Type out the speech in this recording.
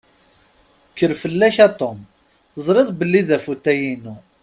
Kker fell-ak a Tom! Teẓṛiḍ belli d afutay-inu.